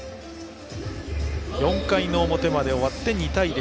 ４回の表まで終わって２対０。